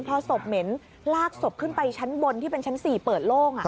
พอศพเหม็นลากศพขึ้นไปชั้นบนที่เป็นชั้น๔เปิดโล่ง